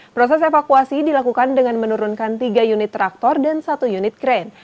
proses evakuasi dilakukan dengan menurunkan tiga unit traktor dan satu unit krain